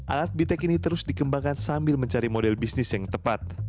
alat bitec ini terus dikembangkan sambil mencari model bisnis yang tepat